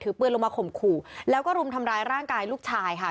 ปืนลงมาข่มขู่แล้วก็รุมทำร้ายร่างกายลูกชายค่ะ